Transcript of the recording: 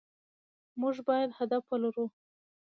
مونږ بايد هدف ولرو